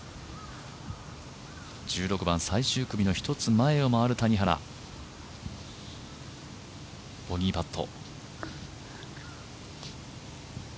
１６番、最終組の１つ前を回る谷原、ボギーパット。